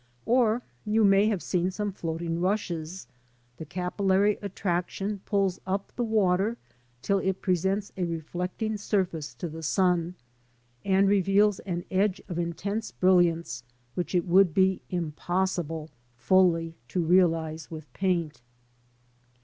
Or you may have seen some floating rushes. The capillary attraction pulls up the water till it presents a reflecting surface to the sun, and reveals an edge of intense brilliance which it would be impossible fully to realise with paint.